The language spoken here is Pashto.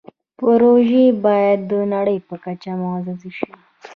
پښتو باید د نړۍ په کچه معزز شي.